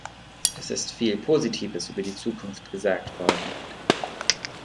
Es ist viel Positives über die Zukunft gesagt worden.